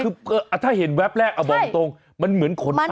คือถ้าเห็นแวบแรกเอาบอกตรงมันเหมือนคน